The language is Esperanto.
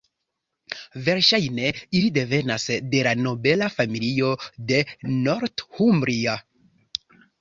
Verŝajne ili devenas de nobela familio de Northumbria.